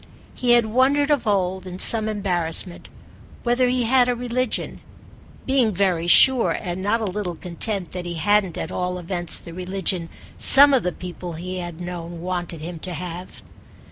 He had wondered of old, in some embarrassment, whether he had a religion; being very sure, and not a little content, that he hadn't at all events the religion some of the people he had known wanted him to have.